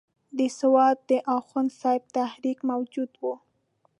د سوات د اخوند صاحب تحریک موجود وو.